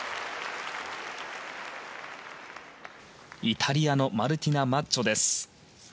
イタリアのマルティナ・マッジョです。